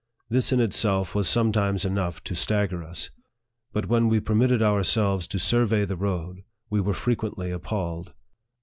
This in itself was sometimes enough to stagger us ; but when we permitted ourselves to survey the road, we were frequently appalled.